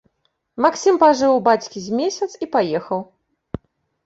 Максім пажыў у бацькі з месяц і паехаў.